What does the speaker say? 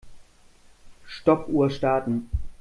Stoppuhr starten.